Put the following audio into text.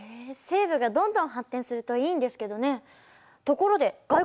西部がどんどん発展するといいんですけどね。